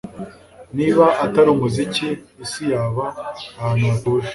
niba atari umuziki, isi yaba ahantu hatuje